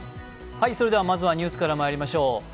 まずはニュースからまいりましょう。